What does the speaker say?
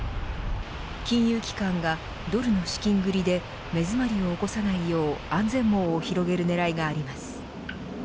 金融機関がドルの資金繰りで目詰まりを起こさないよう安全網を広げる狙いがあります。